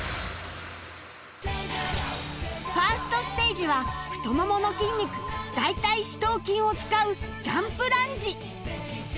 ファーストステージは太ももの筋肉大腿四頭筋を使うジャンプランジ